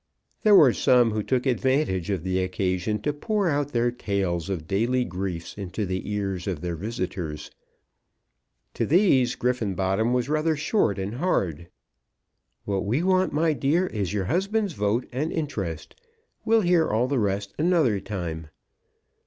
There were some who took advantage of the occasion to pour out their tales of daily griefs into the ears of their visitors. To these Griffenbottom was rather short and hard. "What we want, my dear, is your husband's vote and interest. We'll hear all the rest another time."